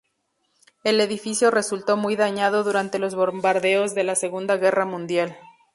El edificio resultó muy dañado durante los bombardeos de la Segunda Guerra Mundial.